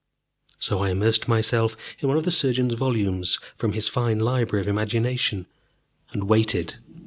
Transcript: So I immersed myself in one of the surgeon's volumes from his fine Library of Imagination, and waited.